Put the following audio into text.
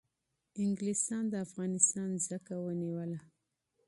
انگلیسان د افغانستان ځمکه ونیوله